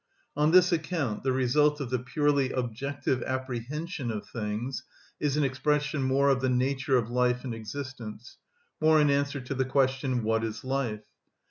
On this account the result of the purely objective apprehension of things is an expression more of the nature of life and existence, more an answer to the question, "What is life?"